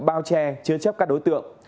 bao che chứa chấp các đối tượng